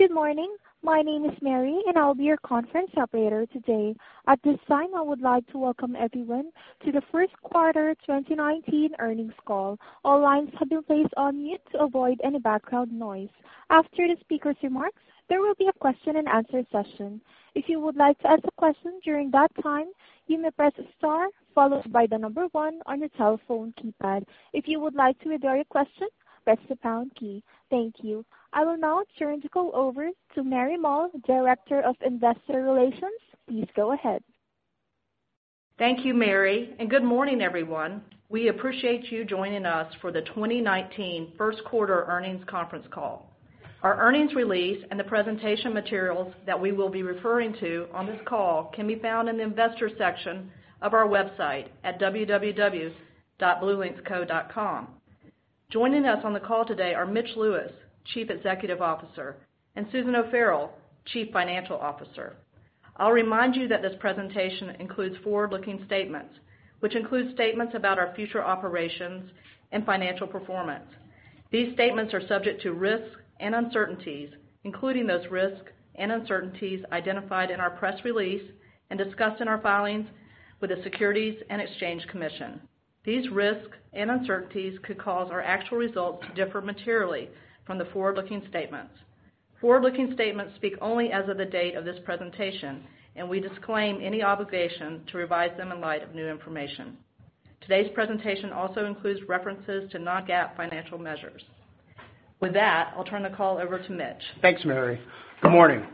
Good morning. My name is Mary, and I'll be your conference operator today. At this time, I would like to welcome everyone to the first quarter 2019 earnings call. All lines have been placed on mute to avoid any background noise. After the speaker's remarks, there will be a question and answer session. If you would like to ask a question during that time, you may press star, followed by the number one on your telephone keypad. If you would like to withdraw your question, press the pound key. Thank you. I will now turn the call over to Mary Moll, Director of Investor Relations. Please go ahead. Thank you, Mary. Good morning, everyone. We appreciate you joining us for the 2019 first quarter earnings conference call. Our earnings release and the presentation materials that we will be referring to on this call can be found in the Investor section of our website at www.bluelinxco.com. Joining us on the call today are Mitch Lewis, Chief Executive Officer, and Susan O'Farrell, Chief Financial Officer. I'll remind you that this presentation includes forward-looking statements, which include statements about our future operations and financial performance. These statements are subject to risks and uncertainties, including those risks and uncertainties identified in our press release and discussed in our filings with the Securities and Exchange Commission. These risks and uncertainties could cause our actual results to differ materially from the forward-looking statements. Forward-looking statements speak only as of the date of this presentation. We disclaim any obligation to revise them in light of new information. Today's presentation also includes references to non-GAAP financial measures. With that, I'll turn the call over to Mitch. Thanks, Mary. Good morning.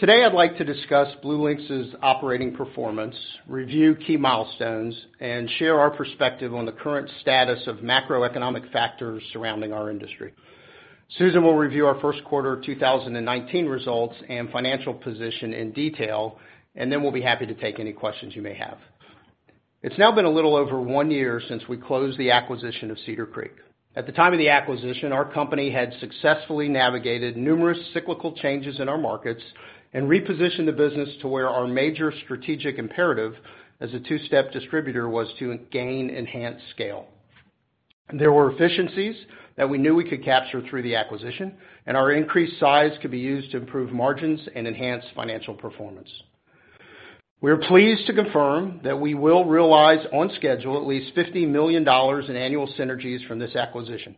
Today, I'd like to discuss BlueLinx's operating performance, review key milestones, share our perspective on the current status of macroeconomic factors surrounding our industry. Susan will review our first quarter 2019 results and financial position in detail. Then we'll be happy to take any questions you may have. It's now been a little over one year since we closed the acquisition of Cedar Creek. At the time of the acquisition, our company had successfully navigated numerous cyclical changes in our markets and repositioned the business to where our major strategic imperative as a two-step distributor was to gain enhanced scale. There were efficiencies that we knew we could capture through the acquisition. Our increased size could be used to improve margins and enhance financial performance. We are pleased to confirm that we will realize on schedule at least $50 million in annual synergies from this acquisition.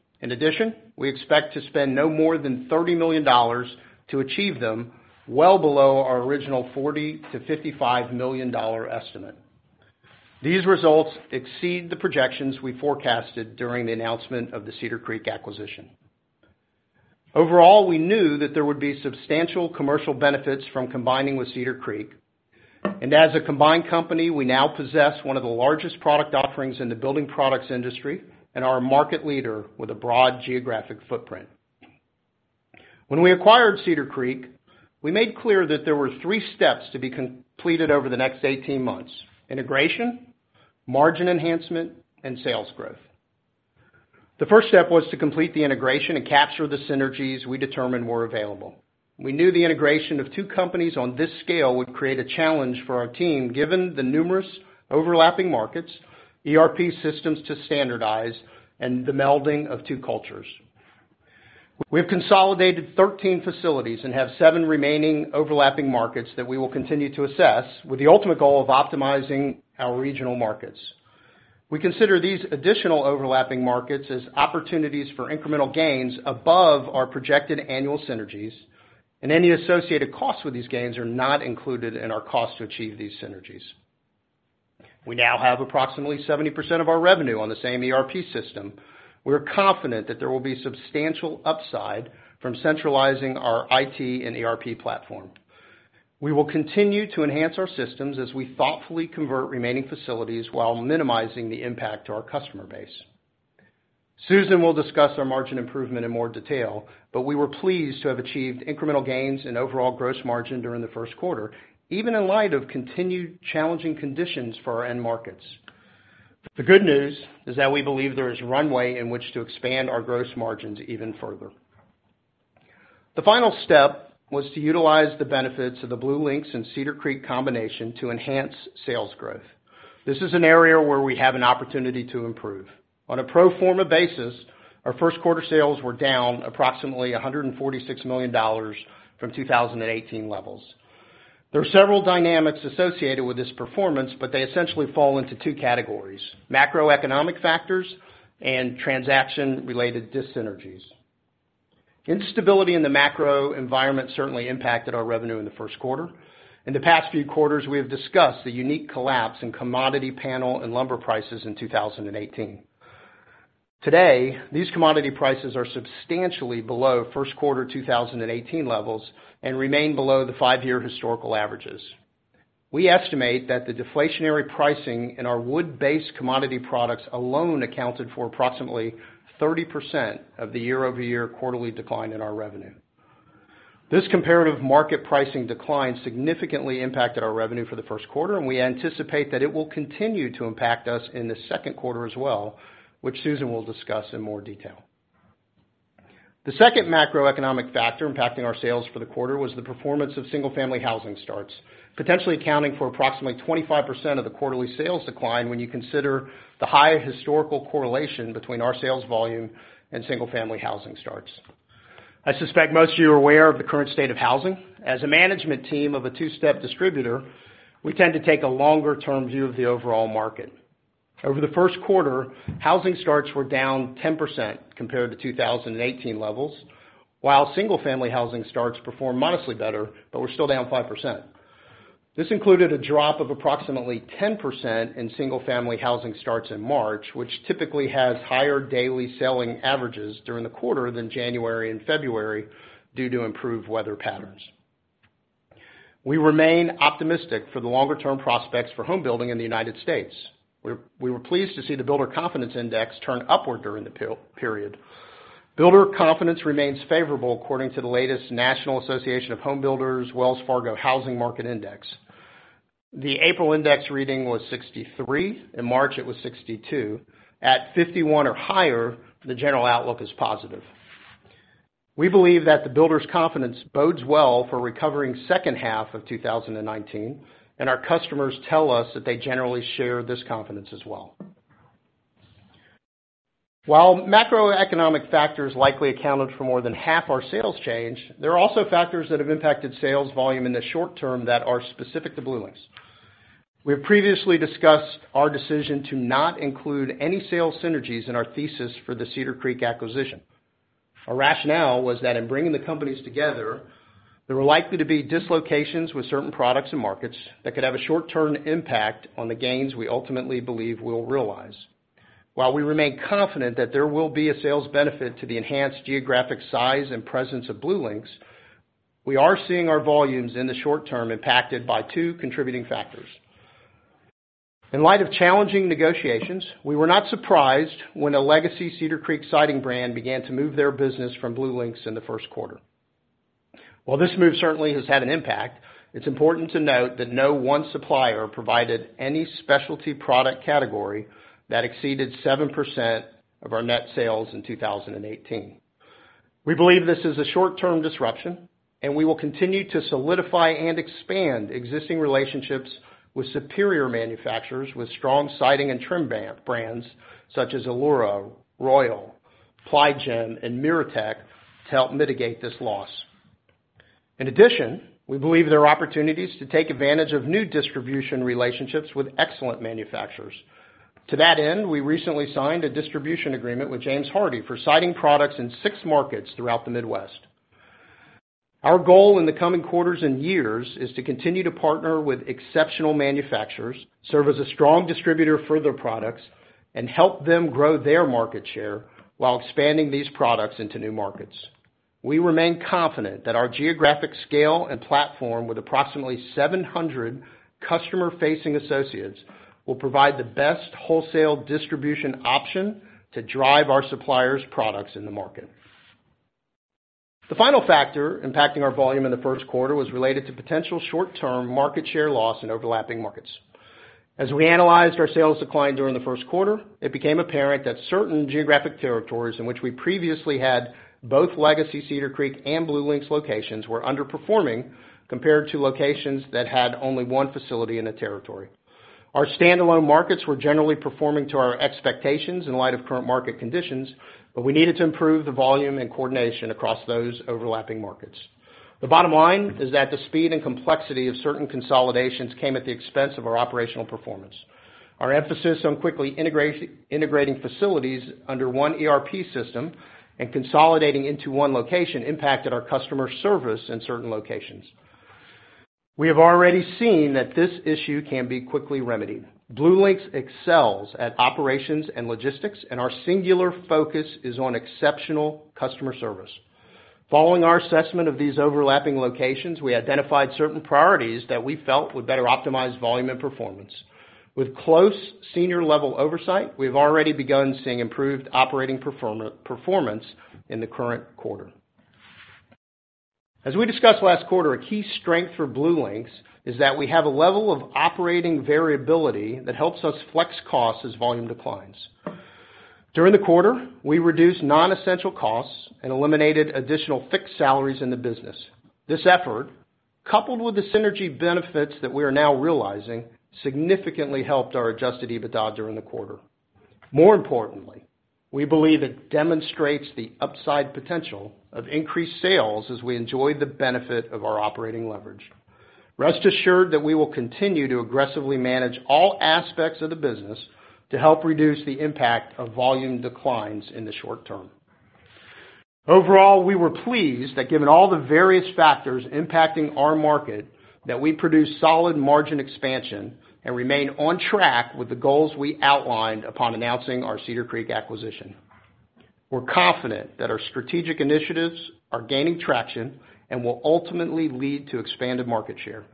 We expect to spend no more than $30 million to achieve them, well below our original $40 million-$55 million estimate. These results exceed the projections we forecasted during the announcement of the Cedar Creek acquisition. We knew that there would be substantial commercial benefits from combining with Cedar Creek, and as a combined company, we now possess one of the largest product offerings in the building products industry and are a market leader with a broad geographic footprint. When we acquired Cedar Creek, we made clear that there were three steps to be completed over the next 18 months: integration, margin enhancement, and sales growth. The first step was to complete the integration and capture the synergies we determined were available. We knew the integration of two companies on this scale would create a challenge for our team, given the numerous overlapping markets, ERP systems to standardize, and the melding of two cultures. We've consolidated 13 facilities and have seven remaining overlapping markets that we will continue to assess with the ultimate goal of optimizing our regional markets. We consider these additional overlapping markets as opportunities for incremental gains above our projected annual synergies, any associated costs with these gains are not included in our cost to achieve these synergies. We now have approximately 70% of our revenue on the same ERP system. We're confident that there will be substantial upside from centralizing our IT and ERP platform. We will continue to enhance our systems as we thoughtfully convert remaining facilities while minimizing the impact to our customer base. Susan will discuss our margin improvement in more detail, we were pleased to have achieved incremental gains in overall gross margin during the first quarter, even in light of continued challenging conditions for our end markets. The good news is that we believe there is runway in which to expand our gross margins even further. The final step was to utilize the benefits of the BlueLinx and Cedar Creek combination to enhance sales growth. This is an area where we have an opportunity to improve. On a pro forma basis, our first quarter sales were down approximately $146 million from 2018 levels. There are several dynamics associated with this performance, they essentially fall into two categories: macroeconomic factors and transaction-related dyssynergies. Instability in the macro environment certainly impacted our revenue in the first quarter. In the past few quarters, we have discussed the unique collapse in commodity panel and lumber prices in 2018. Today, these commodity prices are substantially below first quarter 2018 levels and remain below the five-year historical averages. We estimate that the deflationary pricing in our wood-based commodity products alone accounted for approximately 30% of the year-over-year quarterly decline in our revenue. This comparative market pricing decline significantly impacted our revenue for the first quarter, we anticipate that it will continue to impact us in the second quarter as well, which Susan will discuss in more detail. The second macroeconomic factor impacting our sales for the quarter was the performance of single-family housing starts, potentially accounting for approximately 25% of the quarterly sales decline when you consider the high historical correlation between our sales volume and single-family housing starts. I suspect most of you are aware of the current state of housing. As a management team of a two-step distributor, we tend to take a longer-term view of the overall market. Over the first quarter, housing starts were down 10% compared to 2018 levels. While single-family housing starts performed modestly better, but were still down 5%. This included a drop of approximately 10% in single-family housing starts in March, which typically has higher daily selling averages during the quarter than January and February due to improved weather patterns. We remain optimistic for the longer-term prospects for home building in the U.S. We were pleased to see the Builder Confidence Index turn upward during the period. Builder confidence remains favorable according to the latest National Association of Home Builders/Wells Fargo Housing Market Index. The April index reading was 63. In March, it was 62. At 51 or higher, the general outlook is positive. We believe that the builders' confidence bodes well for recovering second half of 2019, and our customers tell us that they generally share this confidence as well. While macroeconomic factors likely accounted for more than half our sales change, there are also factors that have impacted sales volume in the short term that are specific to BlueLinx. We have previously discussed our decision to not include any sales synergies in our thesis for the Cedar Creek acquisition. Our rationale was that in bringing the companies together, there were likely to be dislocations with certain products and markets that could have a short-term impact on the gains we ultimately believe we'll realize. While we remain confident that there will be a sales benefit to the enhanced geographic size and presence of BlueLinx, we are seeing our volumes in the short term impacted by two contributing factors. In light of challenging negotiations, we were not surprised when a legacy Cedar Creek Siding brand began to move their business from BlueLinx in the first quarter. While this move certainly has had an impact, it's important to note that no one supplier provided any specialty product category that exceeded 7% of our net sales in 2018. We believe this is a short-term disruption, and we will continue to solidify and expand existing relationships with superior manufacturers with strong siding and trim brands such as Allura, Royal, Ply Gem, and MiraTEC to help mitigate this loss. In addition, we believe there are opportunities to take advantage of new distribution relationships with excellent manufacturers. To that end, we recently signed a distribution agreement with James Hardie for siding products in six markets throughout the Midwest. Our goal in the coming quarters and years is to continue to partner with exceptional manufacturers, serve as a strong distributor for their products, and help them grow their market share while expanding these products into new markets. We remain confident that our geographic scale and platform with approximately 700 customer-facing associates will provide the best wholesale distribution option to drive our suppliers' products in the market. The final factor impacting our volume in the first quarter was related to potential short-term market share loss in overlapping markets. As we analyzed our sales decline during the first quarter, it became apparent that certain geographic territories in which we previously had both legacy Cedar Creek and BlueLinx locations were underperforming compared to locations that had only one facility in a territory. Our standalone markets were generally performing to our expectations in light of current market conditions, we needed to improve the volume and coordination across those overlapping markets. The bottom line is that the speed and complexity of certain consolidations came at the expense of our operational performance. Our emphasis on quickly integrating facilities under one ERP system and consolidating into one location impacted our customer service in certain locations. We have already seen that this issue can be quickly remedied. BlueLinx excels at operations and logistics, our singular focus is on exceptional customer service. Following our assessment of these overlapping locations, we identified certain priorities that we felt would better optimize volume and performance. With close senior-level oversight, we've already begun seeing improved operating performance in the current quarter. As we discussed last quarter, a key strength for BlueLinx is that we have a level of operating variability that helps us flex costs as volume declines. During the quarter, we reduced non-essential costs and eliminated additional fixed salaries in the business. This effort, coupled with the synergy benefits that we are now realizing, significantly helped our Adjusted EBITDA during the quarter. More importantly, we believe it demonstrates the upside potential of increased sales as we enjoy the benefit of our operating leverage. Rest assured that we will continue to aggressively manage all aspects of the business to help reduce the impact of volume declines in the short term. Overall, we were pleased that given all the various factors impacting our market, that we produced solid gross margin expansion and remain on track with the goals we outlined upon announcing our Cedar Creek acquisition. We're confident that our strategic initiatives are gaining traction and will ultimately lead to expanded market share.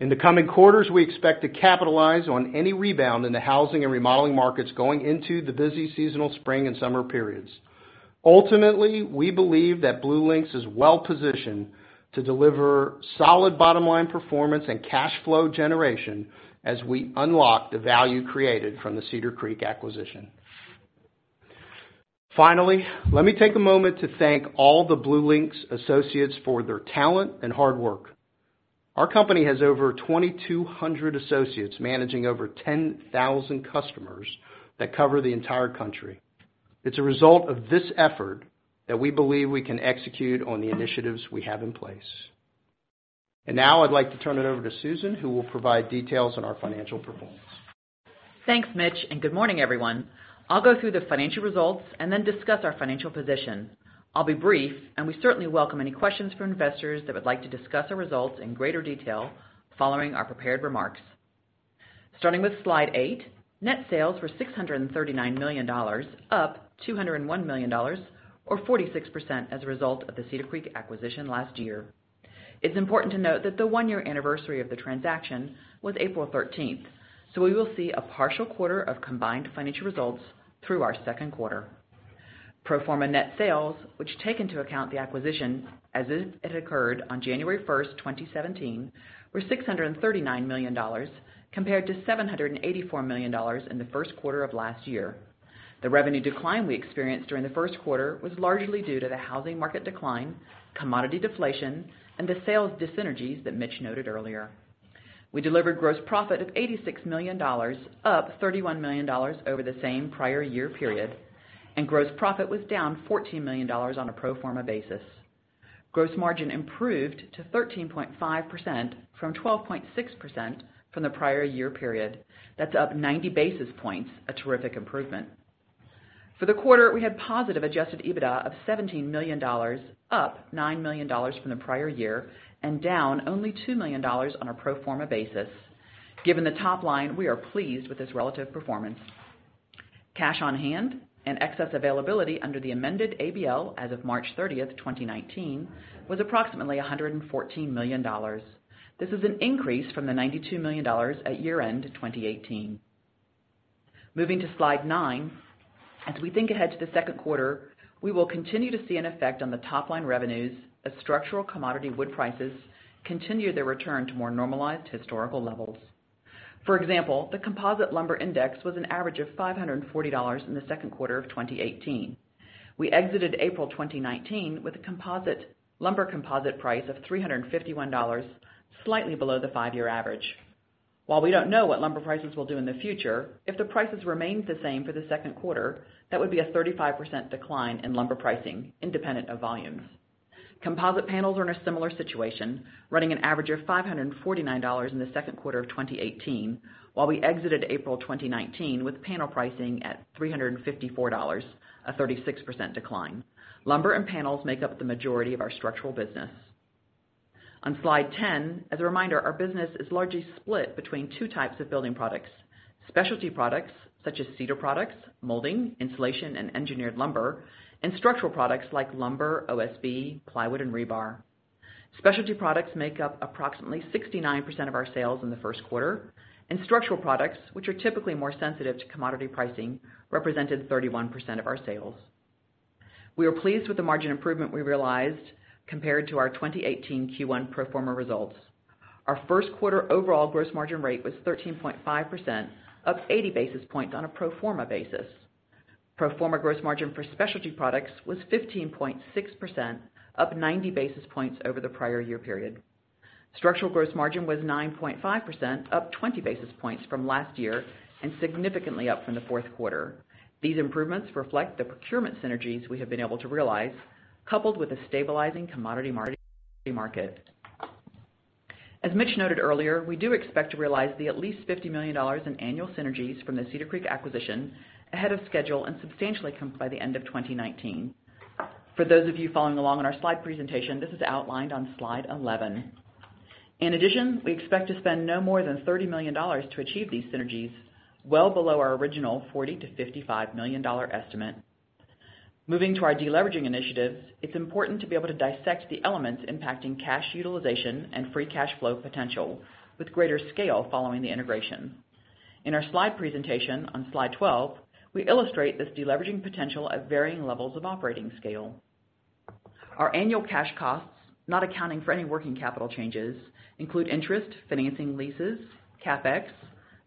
In the coming quarters, we expect to capitalize on any rebound in the housing and remodeling markets going into the busy seasonal spring and summer periods. Ultimately, we believe that BlueLinx is well-positioned to deliver solid bottom-line performance and cash flow generation as we unlock the value created from the Cedar Creek acquisition. Finally, let me take a moment to thank all the BlueLinx associates for their talent and hard work. Our company has over 2,200 associates managing over 10,000 customers that cover the entire country. It's a result of this effort that we believe we can execute on the initiatives we have in place. Now I'd like to turn it over to Susan, who will provide details on our financial performance. Thanks, Mitch, and good morning, everyone. I'll go through the financial results and then discuss our financial position. I'll be brief, and we certainly welcome any questions from investors that would like to discuss our results in greater detail following our prepared remarks. Starting with Slide 8, net sales were $639 million, up $201 million, or 46%, as a result of the Cedar Creek acquisition last year. It's important to note that the one-year anniversary of the transaction was April 13th, so we will see a partial quarter of combined financial results through our second quarter. Pro forma net sales, which take into account the acquisition as if it occurred on January 1st, 2017, were $639 million, compared to $784 million in the first quarter of last year. The revenue decline we experienced during the first quarter was largely due to the housing market decline, commodity deflation, and the sales dyssynergies that Mitch noted earlier. We delivered gross profit of $86 million, up $31 million over the same prior year period, and gross profit was down $14 million on a pro forma basis. Gross margin improved to 13.5% from 12.6% from the prior year period. That's up 90 basis points, a terrific improvement. For the quarter, we had positive Adjusted EBITDA of $17 million, up $9 million from the prior year, and down only $2 million on a pro forma basis. Given the top line, we are pleased with this relative performance. Cash on hand and excess availability under the amended ABL as of March 30th, 2019, was approximately $114 million. This is an increase from the $92 million at year-end 2018. Moving to Slide 9, as we think ahead to the second quarter, we will continue to see an effect on the top-line revenues as structural commodity wood prices continue their return to more normalized historical levels. For example, the composite lumber index was an average of $540 in the second quarter of 2018. We exited April 2019 with a lumber composite price of $351, slightly below the five-year average. While we don't know what lumber prices will do in the future, if the prices remained the same for the second quarter, that would be a 35% decline in lumber pricing, independent of volumes. Composite panels are in a similar situation, running an average of $549 in the second quarter of 2018, while we exited April 2019 with panel pricing at $354, a 36% decline. Lumber and panels make up the majority of our structural business. On Slide 10, as a reminder, our business is largely split between 2 types of building products, specialty products such as cedar products, molding, insulation, and engineered lumber, and structural products like lumber, OSB, plywood, and rebar. Specialty products make up approximately 69% of our sales in the first quarter, and structural products, which are typically more sensitive to commodity pricing, represented 31% of our sales. We are pleased with the margin improvement we realized compared to our 2018 Q1 pro forma results. Our first quarter overall gross margin rate was 13.5%, up 80 basis points on a pro forma basis. Pro forma gross margin for specialty products was 15.6%, up 90 basis points over the prior year period. Structural gross margin was 9.5%, up 20 basis points from last year and significantly up from the fourth quarter. These improvements reflect the procurement synergies we have been able to realize, coupled with a stabilizing commodity market. As Mitch noted earlier, we do expect to realize the at least $50 million in annual synergies from the Cedar Creek acquisition ahead of schedule and substantially by the end of 2019. For those of you following along on our slide presentation, this is outlined on Slide 11. In addition, we expect to spend no more than $30 million to achieve these synergies, well below our original $40 million-$55 million estimate. Moving to our deleveraging initiatives, it's important to be able to dissect the elements impacting cash utilization and free cash flow potential with greater scale following the integration. In our slide presentation on Slide 12, we illustrate this deleveraging potential at varying levels of operating scale. Our annual cash costs, not accounting for any working capital changes, include interest, financing leases, CapEx,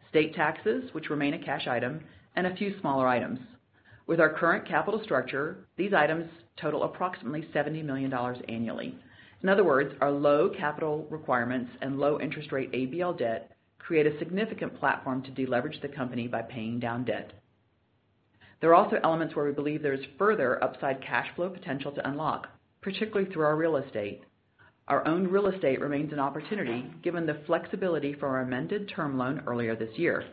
state taxes, which remain a cash item, and a few smaller items. With our current capital structure, these items total approximately $70 million annually. In other words, our low capital requirements and low interest rate ABL debt create a significant platform to deleverage the company by paying down debt. There are also elements where we believe there is further upside cash flow potential to unlock, particularly through our real estate. Our own real estate remains an opportunity given the flexibility for our amended term loan earlier this year.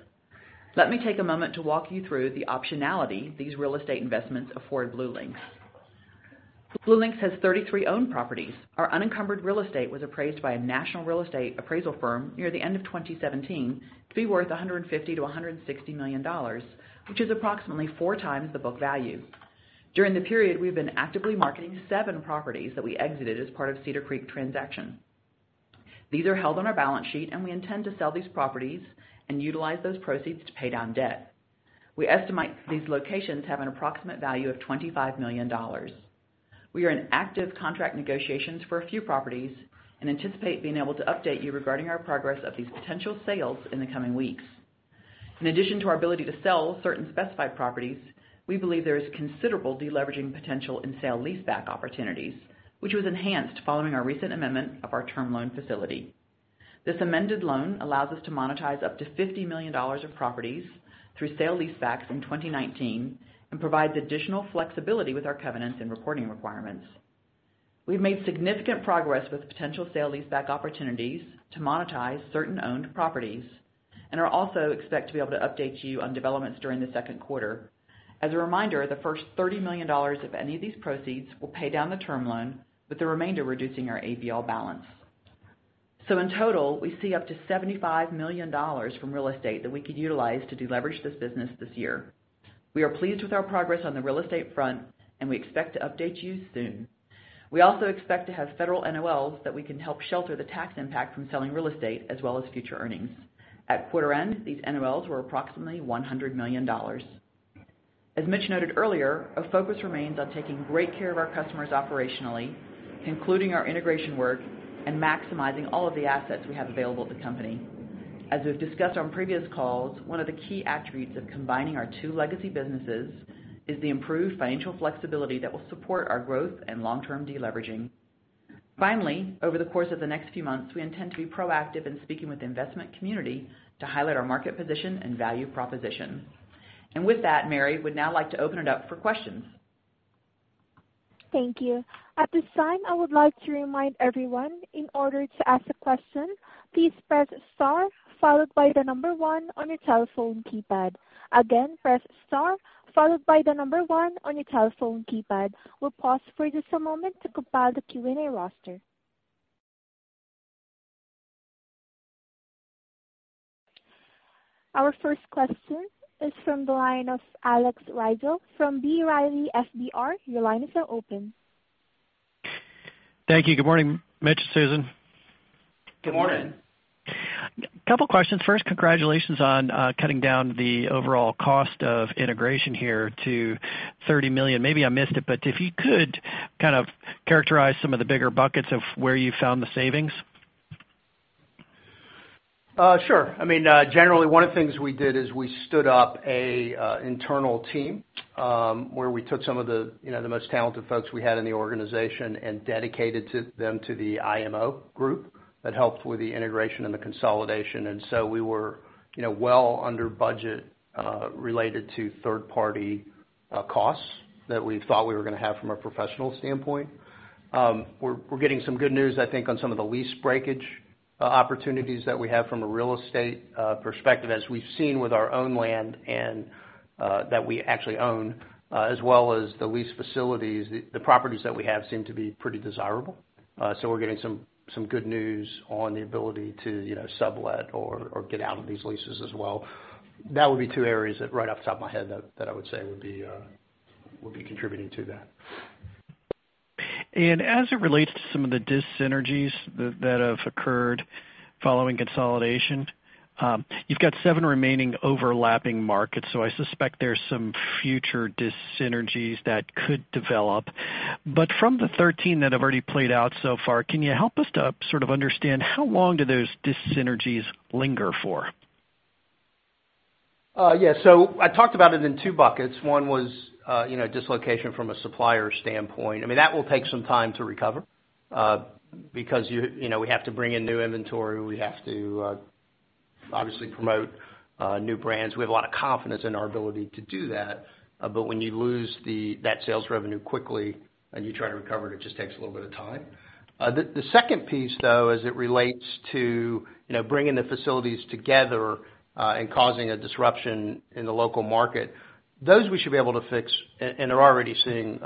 Let me take a moment to walk you through the optionality these real estate investments afford BlueLinx. BlueLinx has 33 owned properties. Our unencumbered real estate was appraised by a national real estate appraisal firm near the end of 2017 to be worth $150 million-$160 million, which is approximately four times the book value. During the period, we've been actively marketing seven properties that we exited as part of Cedar Creek transaction. These are held on our balance sheet, and we intend to sell these properties and utilize those proceeds to pay down debt. We estimate these locations have an approximate value of $25 million. We are in active contract negotiations for a few properties and anticipate being able to update you regarding our progress of these potential sales in the coming weeks. In addition to our ability to sell certain specified properties, we believe there is considerable de-leveraging potential in sale leaseback opportunities, which was enhanced following our recent amendment of our term loan facility. This amended loan allows us to monetize up to $50 million of properties through sale leasebacks in 2019 and provides additional flexibility with our covenants and reporting requirements. We've made significant progress with potential sale leaseback opportunities to monetize certain owned properties and are also expect to be able to update you on developments during the second quarter. As a reminder, the first $30 million of any of these proceeds will pay down the term loan, with the remainder reducing our ABL balance. In total, we see up to $75 million from real estate that we could utilize to deleverage this business this year. We are pleased with our progress on the real estate front, and we expect to update you soon. We also expect to have federal NOLs that we can help shelter the tax impact from selling real estate as well as future earnings. At quarter end, these NOLs were approximately $100 million. As Mitch noted earlier, our focus remains on taking great care of our customers operationally, concluding our integration work and maximizing all of the assets we have available at the company. As we've discussed on previous calls, one of the key attributes of combining our two legacy businesses is the improved financial flexibility that will support our growth and long-term deleveraging. Finally, over the course of the next few months, we intend to be proactive in speaking with the investment community to highlight our market position and value proposition. With that, Mary, would now like to open it up for questions. Thank you. At this time, I would like to remind everyone, in order to ask a question, please press star followed by the number one on your telephone keypad. Again, press star followed by the number one on your telephone keypad. We'll pause for just a moment to compile the Q&A roster. Our first question is from the line of Alex Rygiel from B. Riley FBR. Your line is now open. Thank you. Good morning, Mitch and Susan. Good morning. Good morning. Couple questions. First, congratulations on cutting down the overall cost of integration here to $30 million. Maybe I missed it. If you could kind of characterize some of the bigger buckets of where you found the savings. Sure. Generally, one of the things we did is we stood up an internal team, where we took some of the most talented folks we had in the organization and dedicated them to the IMO group that helped with the integration and the consolidation. We were well under budget related to third-party costs that we thought we were going to have from a professional standpoint. We're getting some good news, I think, on some of the lease breakage opportunities that we have from a real estate perspective, as we've seen with our own land and that we actually own, as well as the lease facilities. The properties that we have seem to be pretty desirable. We're getting some good news on the ability to sublet or get out of these leases as well. That would be two areas that right off the top of my head that I would say would be contributing to that. As it relates to some of the dis-synergies that have occurred following consolidation, you've got seven remaining overlapping markets. I suspect there's some future dis-synergies that could develop. From the 13 that have already played out so far, can you help us to sort of understand how long do those dis-synergies linger for? Yeah. I talked about it in two buckets. One was dislocation from a supplier standpoint. That will take some time to recover, because we have to bring in new inventory. We have to obviously promote new brands. We have a lot of confidence in our ability to do that. When you lose that sales revenue quickly and you try to recover it just takes a little bit of time. The second piece, though, as it relates to bringing the facilities together and causing a disruption in the local market, those we should be able to fix and are already seeing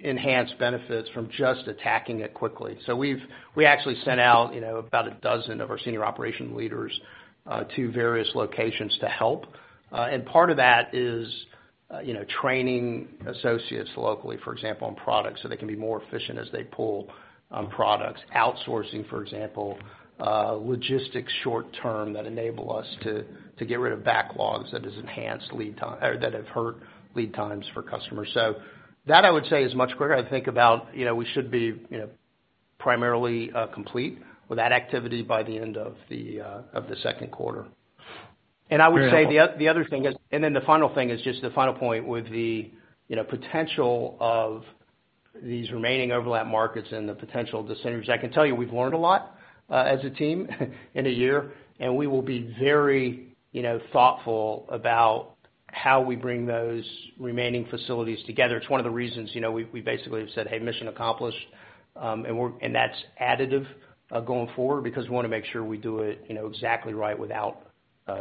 enhanced benefits from just attacking it quickly. We actually sent out about a dozen of our senior operation leaders to various locations to help. Part of that is training associates locally, for example, on products, so they can be more efficient as they pull on products. Outsourcing, for example, logistics short term that enable us to get rid of backlogs that have hurt lead times for customers. That I would say is much quicker. I think about we should be primarily complete with that activity by the end of the second quarter. Very helpful. I would say the other thing is, the final thing is just the final point with the potential of these remaining overlap markets and the potential dis-synergies. I can tell you we've learned a lot as a team in a year, and we will be very thoughtful about how we bring those remaining facilities together. It's one of the reasons we basically have said, "Hey, mission accomplished." That's additive going forward because we want to make sure we do it exactly right without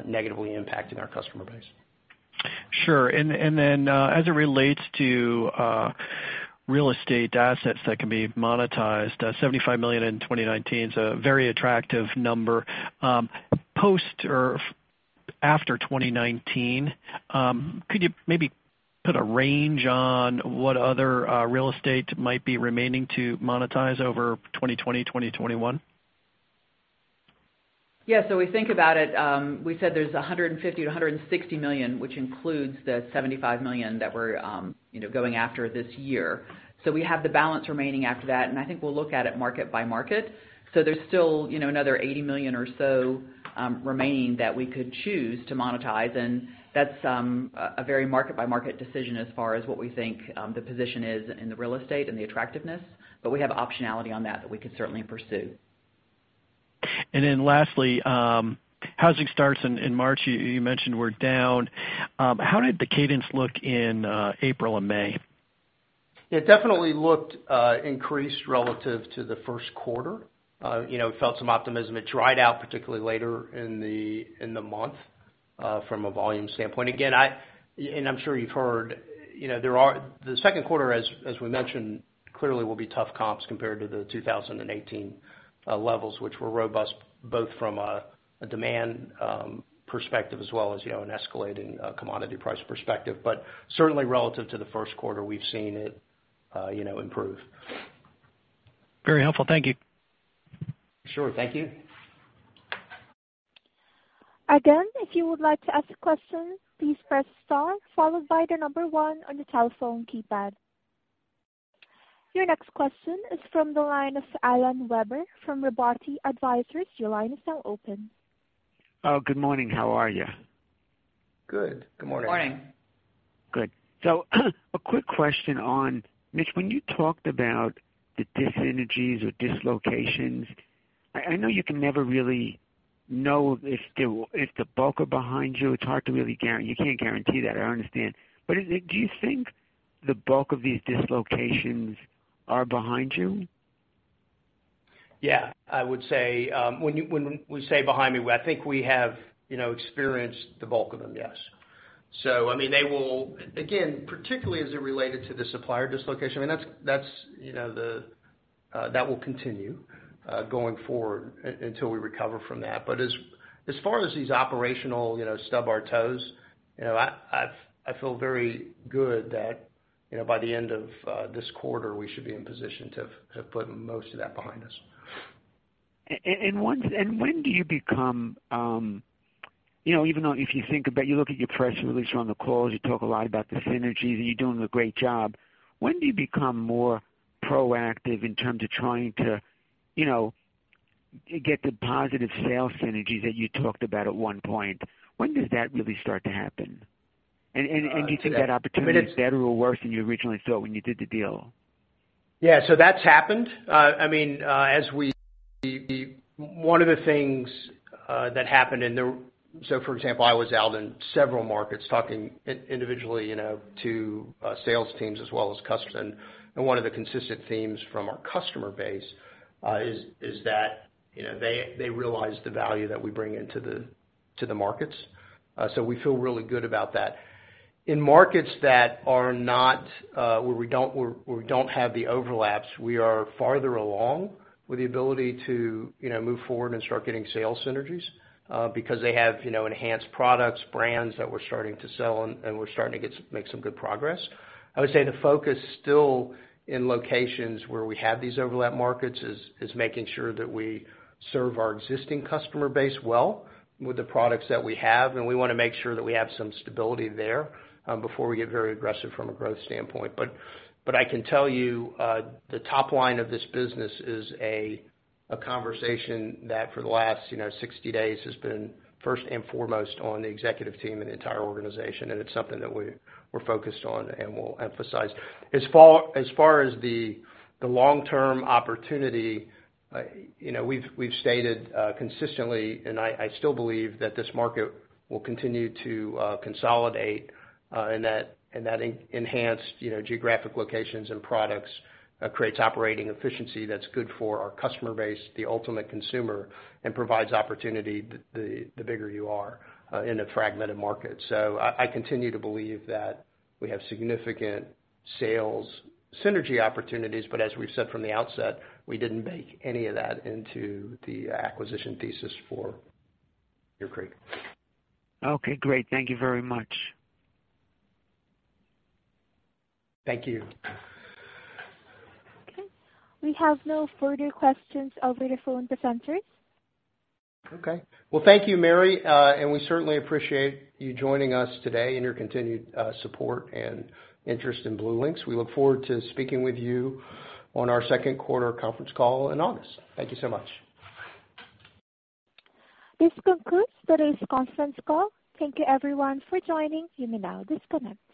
negatively impacting our customer base. Sure. As it relates to real estate assets that can be monetized, $75 million in 2019 is a very attractive number. Post or after 2019, could you maybe put a range on what other real estate might be remaining to monetize over 2020, 2021? Yeah. We think about it. We said there's $150 million to $160 million, which includes the $75 million that we're going after this year. We have the balance remaining after that, I think we'll look at it market by market. There's still another $80 million or so remaining that we could choose to monetize, that's a very market-by-market decision as far as what we think the position is in the real estate and the attractiveness. We have optionality on that we could certainly pursue. Lastly, housing starts in March, you mentioned were down. How did the cadence look in April and May? It definitely looked increased relative to the first quarter. Felt some optimism. It dried out, particularly later in the month from a volume standpoint. I'm sure you've heard, the second quarter, as we mentioned, clearly will be tough comps compared to the 2018 levels, which were robust, both from a demand perspective as well as an escalating commodity price perspective. Certainly relative to the first quarter, we've seen it improve. Very helpful. Thank you. Sure. Thank you. If you would like to ask a question, please press star followed by the number 1 on your telephone keypad. Your next question is from the line of Alan Weber from Robotti Advisors. Your line is now open. Good morning. How are you? Good. Good morning. Morning. Good. A quick question on, Mitch, when you talked about the dyssynergies or dislocations, I know you can never really know if the bulk are behind you. It's hard to really guarantee. You can't guarantee that, I understand. Do you think the bulk of these dislocations are behind you? I would say, when we say behind me, I think we have experienced the bulk of them, yes. They will, again, particularly as it related to the supplier dislocation, that will continue going forward until we recover from that. As far as these operational stub our toes, I feel very good that by the end of this quarter, we should be in position to have put most of that behind us. When do you become Even though if you think about, you look at your press release on the calls, you talk a lot about the synergies, and you're doing a great job. When do you become more proactive in terms of trying to get the positive sales synergies that you talked about at one point? When does that really start to happen? Do you think that opportunity is better or worse than you originally thought when you did the deal? That's happened. One of the things that happened in the for example, I was out in several markets talking individually to sales teams as well as customers. One of the consistent themes from our customer base is that they realize the value that we bring into the markets. We feel really good about that. In markets where we don't have the overlaps, we are farther along with the ability to move forward and start getting sales synergies because they have enhanced products, brands that we're starting to sell and we're starting to make some good progress. I would say the focus still in locations where we have these overlap markets is making sure that we serve our existing customer base well with the products that we have, and we want to make sure that we have some stability there before we get very aggressive from a growth standpoint. I can tell you the top line of this business is a conversation that for the last 60 days has been first and foremost on the executive team and the entire organization, and it's something that we're focused on and will emphasize. As far as the long-term opportunity, we've stated consistently, and I still believe that this market will continue to consolidate and that enhanced geographic locations and products creates operating efficiency that's good for our customer base, the ultimate consumer, and provides opportunity, the bigger you are in a fragmented market. I continue to believe that we have significant sales synergy opportunities, but as we've said from the outset, we didn't bake any of that into the acquisition thesis for Cedar Creek. Okay, great. Thank you very much. Thank you. Okay. We have no further questions over the phone presenters. Okay. Well, thank you, Mary. We certainly appreciate you joining us today and your continued support and interest in BlueLinx. We look forward to speaking with you on our second quarter conference call in August. Thank you so much. This concludes today's conference call. Thank you everyone for joining. You may now disconnect.